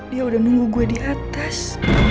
dia udah nunggu gue di atas